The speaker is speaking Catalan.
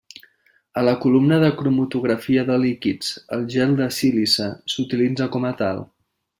A la columna de cromatografia de líquids, el gel de sílice s'utilitza com a tal.